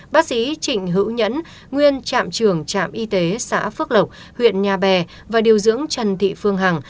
bác sĩ trịnh hữu nhẫn nguyên trạm trưởng trạm y tế xã phước lộc huyện nhà bè và điều dưỡng trần thị phương hằng